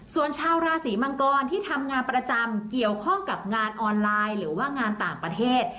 ส่วนชาวราศีมังกรที่ทำงานประจำเกี่ยวข้องกับงานออนไลน์หรือว่างานต่างประเทศ